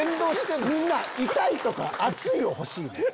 みんな「痛い」とか「熱い」欲しいねん！